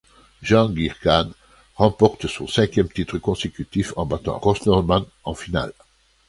Jahangir Khan reporte son cinquième titre consécutif en battant Ross Norman en finale.